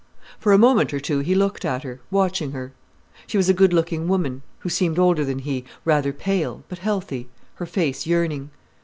For a moment or two he looked at her, watching her. She was a good looking woman, who seemed older than he, rather pale, but healthy, her face yearning.